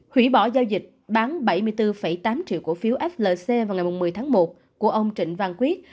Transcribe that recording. hủy bỏ giao dịch bán bảy mươi bốn tám triệu cổ phiếu flc vào ngày một mươi tháng một của ông trịnh văn quyết